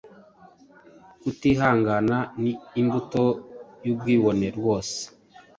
Kutihangana ni imbuto y’ubwibone rwose.